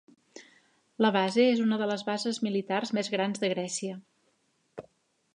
La base és una de les bases militars més grans de Grècia.